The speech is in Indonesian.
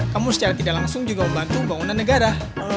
kamu secara tidak langsung juga membantu bangunan negara